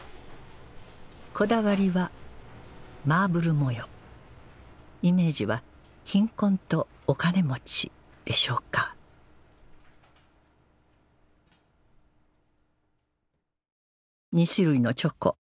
こだわりはマーブル模様イメージは貧困とお金持ちでしょうか２種類のチョコ